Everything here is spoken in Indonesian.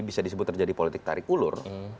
bisa disebut terjadi politik tarik ulur